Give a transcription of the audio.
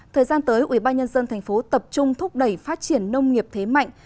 thời gian tới ubnd tp tập trung thúc đẩy phát triển nông nghiệp thế mạnh